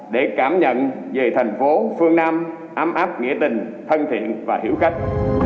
để cảm nhận về thành phố phương nam ấm áp nghĩa tình thân thiện và hiếu khách